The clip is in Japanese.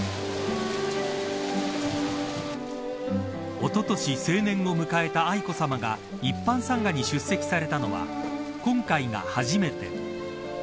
おととし成年を迎えた愛子さまが一般参賀に出席されたのは今回が初めて。